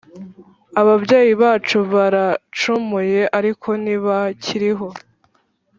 Ababyeyi bacu baracumuye, ariko ntibakiriho,